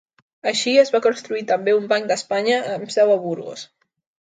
Així, es va constituir també un Banc d'Espanya, amb seu a Burgos.